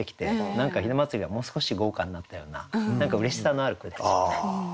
何か雛祭がもう少し豪華になったような何かうれしさのある句でしたね。